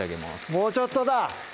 もうちょっとだ！